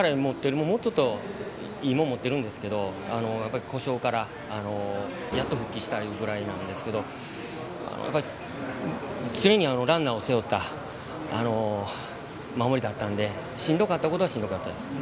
もうちょっといいものを持っているんですが故障からやっと復帰したぐらいなんですけど常にランナーを背負った守りだったのでしんどかったことはしんどかったです。